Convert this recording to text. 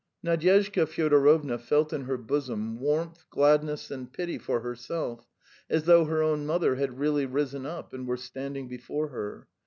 Nadyezhda Fyodorovna felt in her bosom warmth, gladness, and pity for herself, as though her own mother had really risen up and were standing before her.